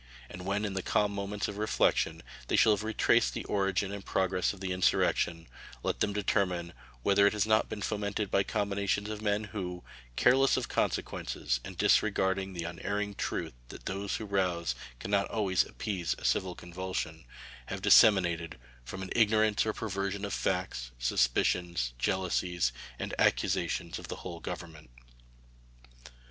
And when in the calm moments of reflection they shall have retraced the origin and progress of the insurrection, let them determine whether it has not been fomented by combinations of men who, careless of consequences and disregarding the unerring truth that those who rouse can not always appease a civil convulsion, have disseminated, from an ignorance or perversion of facts, suspicions, jealousies, and accusations of the whole Government.